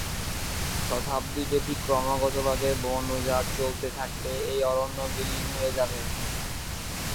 শতাব্দী ব্যাপী ক্রমাগতভাবে বন উজাড় চলতে থাকলে এই অরণ্য বিলীন হয়ে যাবে।